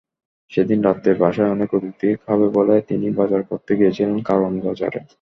সেদিন রাতে বাসায় অনেক অতিথি খাবে বলে তিনি বাজার করতে গিয়েছিলেন কারওয়ান বাজারে।